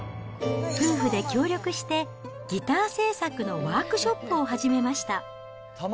夫婦で協力して、ギター製作のワークショップを始めました。